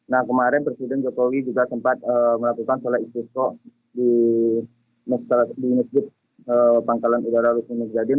nah kemarin presiden jokowi juga sempat melakukan selegisiko di nusjid pangkalan udara rukun nusjadin